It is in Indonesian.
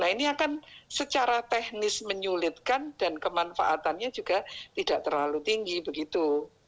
nah ini akan secara teknis menyulitkan dan kemanfaatannya juga tidak terlalu tinggi begitu